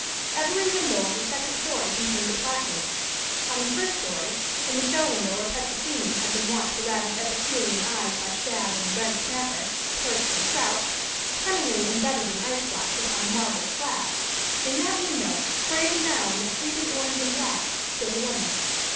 Every window of the second story contained a placard. On the first story, in the show window where Petrosini had been wont to ravish epicurean eyes by shad and red snapper, perch and trout, cunningly imbedded in ice blocks upon a marble slab in that window, framed now in the hated orange and black, stood a woman.